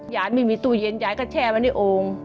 ยายไม่มีตู้เย็นยายก็แช่ไว้ในโอ่ง